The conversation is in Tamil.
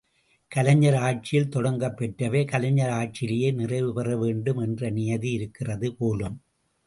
கலைஞர் ஆட்சியில் தொடங்கப் பெற்றவை கலைஞர் ஆட்சியிலேயே நிறைவு பெற வேண்டும் என்ற நியதி இருக்கிறது போலும்.